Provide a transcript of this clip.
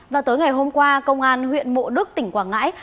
và tối ngày hôm qua công an huyện mộ đức tỉnh quảng ngãi